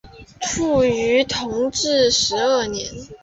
卒于同治十二年。